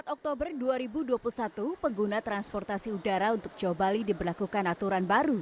empat oktober dua ribu dua puluh satu pengguna transportasi udara untuk jawa bali diberlakukan aturan baru